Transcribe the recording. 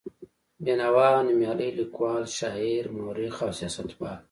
بېنوا نومیالی لیکوال، شاعر، مورخ او سیاستوال و.